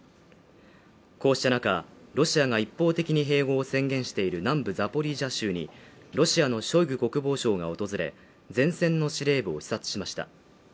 こうした中、ロシアが一方的に併合を宣言している南部ザポリージャ州にロシアのショイグ国防相が訪れ、前線の司令部を視察しました。